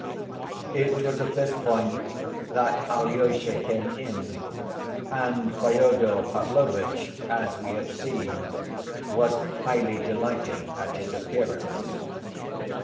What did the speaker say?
It was at this point that Alyosha came in, and Fyodor Pavlovitch, as we have seen, was highly delighted at his appearance.